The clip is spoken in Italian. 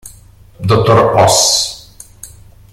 Dottor Oss